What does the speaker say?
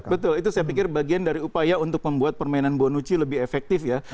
betul itu saya pikir bagian dari upaya untuk membuat permainan bonucci lebih efektif ya